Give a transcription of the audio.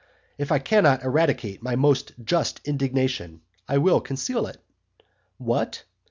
If I cannot eradicate my most just indignation, I will conceal it. What?